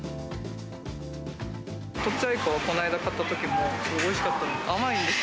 とちあいかはこの間、買ったときもおいしかったんです。